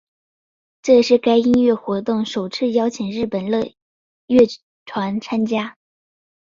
这是该音乐活动首次邀请日本乐团参加。